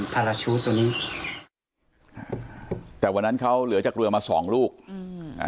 พาราชูตตัวนี้แต่วันนั้นเขาเหลือจากเรือมาสองลูกอืมอ่า